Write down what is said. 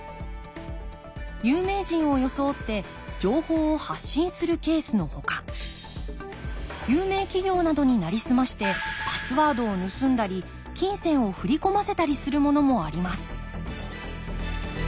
有名人を装って情報を発信するケースのほか有名企業などになりすましてパスワードを盗んだり金銭を振り込ませたりするものもあります